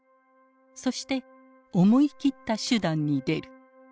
そして思い切った手段に出る。